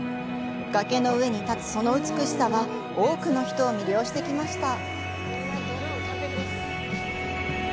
崖の上に建つその美しさは、多くの人を魅了してきました。